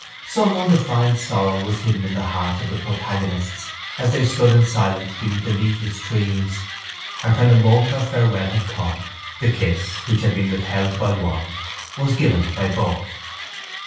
Some undefined sorrow was hidden in the hearts of the protagonists as they stood in silence beneath the leafless trees and when the moment of farewell had come the kiss, which had been withheld by one, was given by both.